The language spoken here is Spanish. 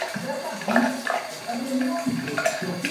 La parte superior está cubierta de pelo fino, corto y disperso.